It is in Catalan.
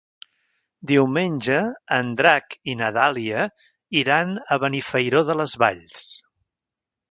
Diumenge en Drac i na Dàlia iran a Benifairó de les Valls.